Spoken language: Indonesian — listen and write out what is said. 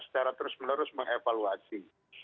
secara terus menerus mengevaluasi